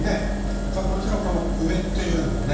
それからもちろんこの梅っていうのもね